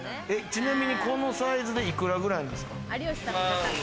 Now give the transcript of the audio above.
ちなみに、このサイズで幾らぐらいなんですか？